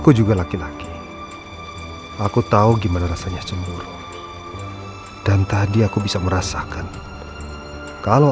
dan juga laki laki aku tahu gimana rasanya cemburu dan tadi aku bisa merasakan kalau